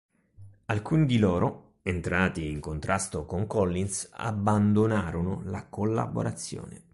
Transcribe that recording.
Alcuni di loro, entrati in contrasto con Collins, abbandonarono la collaborazione.